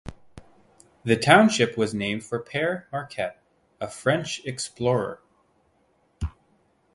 The township was named for Pere Marquette, a French explorer.